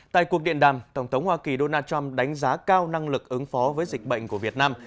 tại cuộc điện đàm tổng thống hoa kỳ donald trump đánh giá cao năng lực ứng phó với dịch bệnh của việt nam